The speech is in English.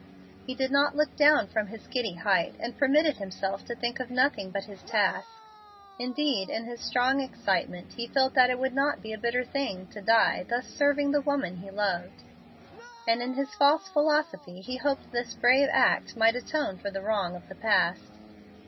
He did not look down from his giddy height, and permitted himself to think of nothing but his task. Indeed, in his strong excitement, he felt that it would not be a bitter thing to die thus serving the woman he loved; and in his false philosophy he hoped this brave act might atone for the wrong of the past.